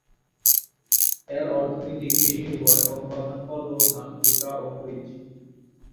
এর অর্থনীতি কৃষি নির্ভর এবং প্রধান ফল হল ধান, ভুট্টা ও মরিচ।